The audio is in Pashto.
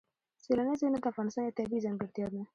سیلانی ځایونه د افغانستان یوه طبیعي ځانګړتیا ده.